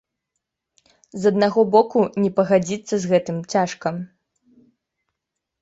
З аднаго боку, не пагадзіцца з гэтым цяжка.